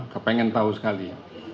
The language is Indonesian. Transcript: saya ingin tahu sekali